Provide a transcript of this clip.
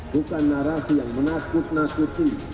bukan narasi yang menakut nakuti